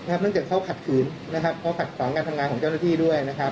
ตั้งแต่เขาผัดขืนนะครับเพราะผัดฝังการทำงานของเจ้าหน้าที่ด้วยนะครับ